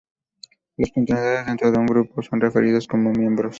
Los contenedores dentro de un grupo son referidos como "miembros".